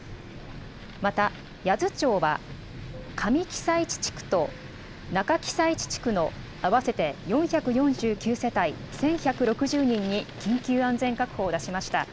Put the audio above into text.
また八頭町は、上私都地区と中私都地区の合わせて４４９世帯１１６０人に緊急安全確保を出しました。